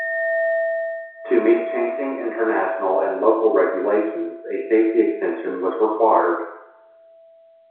To meet changing international and local regulations a safety extension was required.